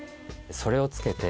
それを着けて。